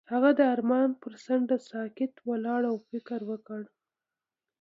هغه د آرمان پر څنډه ساکت ولاړ او فکر وکړ.